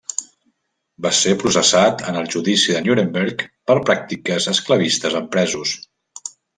Va ser processat en el Judici de Nuremberg per pràctiques esclavistes amb presos.